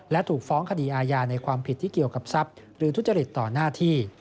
และถูกฟ้องคดีอาญาในความผิดที่เกี่ยวกับทรัพย์หรือทุจริตต่อหน้าที่